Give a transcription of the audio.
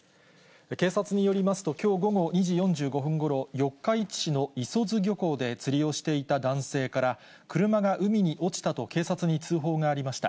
警察によりますと、きょう午後２時４５分ごろ、四日市市の磯津漁港で釣りをしていた男性から、車が海に落ちたと警察に通報がありました。